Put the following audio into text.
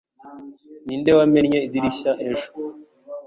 Ninde wamennye idirishya ejo?